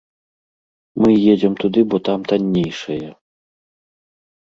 Мы едзем туды, бо там таннейшае.